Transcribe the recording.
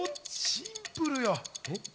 シンプルよ。